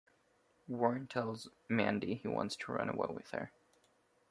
Warren tells Mandy he wants to run away with her.